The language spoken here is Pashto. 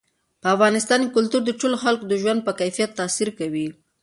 په افغانستان کې کلتور د ټولو خلکو د ژوند په کیفیت تاثیر کوي.